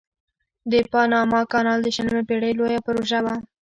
د پاناما کانال د شلمې پیړۍ لویه پروژه وه.